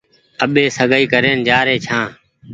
آٻي سگآئي ڪرين جآ ري ڇآن۔